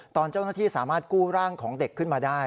ตอนเจ้าหน้าที่สามารถกู้ร่างของเด็กขึ้นมาได้